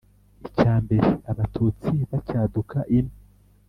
“icya mbere: abatutsi bacyaduka ino